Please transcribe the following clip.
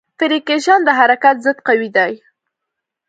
فریکشن د حرکت ضد قوې ده.